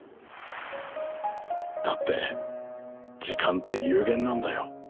だって時間って有限なんだよ。